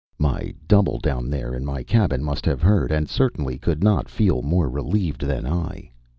My double down there in my cabin must have heard, and certainly could not feel more relieved than I.